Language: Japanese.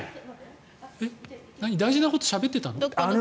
大事なことしゃべってた？